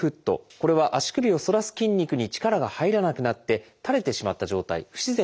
これは足首を反らす筋肉に力が入らなくなって垂れてしまった状態不自然な歩き方になります。